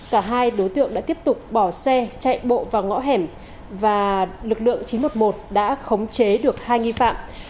cả hai đối tượng đã tiếp tục bỏ xe chạy bộ vào ngõ hẻm và lực lượng chín trăm một mươi một đã khống chế được hai nghi phạm